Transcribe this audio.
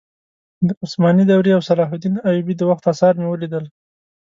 د عثماني دورې او صلاح الدین ایوبي د وخت اثار مې ولیدل.